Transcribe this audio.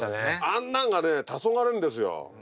あんなんがねたそがれるんですよ。